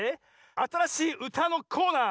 あたらしいうたのコーナー